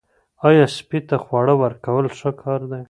آیا سپي ته خواړه ورکول ښه کار دی؟